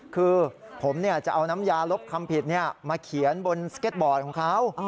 คือผมจะเอาน้ำยาลบคำผิดมาเขียนบนสเก็ตบอร์ดของเขา